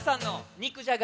肉じゃが。